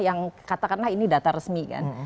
yang katakanlah ini data resmi kan